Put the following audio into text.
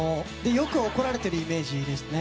よく怒られているイメージでした。